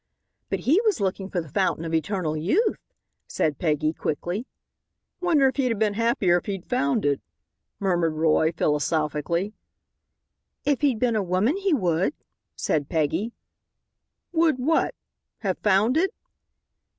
"But he was looking for the Fountain of Eternal Youth," said Peggy, quickly. "Wonder if he'd have been any happier if he'd found it," murmured Roy, philosophically. "If he'd been a woman he would," said Peggy. "Would what? Have found it?"